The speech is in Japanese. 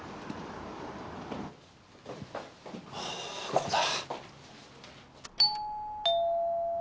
ここだ。